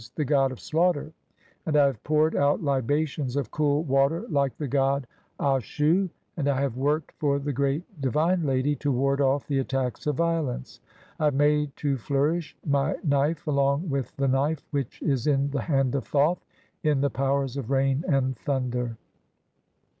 e., "the god of slaughter), and I have poured out libations of cool "water like the god Ashu, and I have worked for the great di "vine lady [to ward off] the attacks of violence], I have made "to nourish [my] knife along with the knife (3) which is in the "hand of Thoth in the powers of rain and thunder."